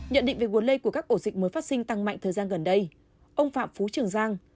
nhận định về nguồn lây của các ổ dịch mới phát sinh tăng mạnh thời gian gần đây ông phạm phú trường giang